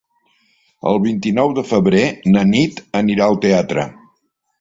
El vint-i-nou de febrer na Nit anirà al teatre.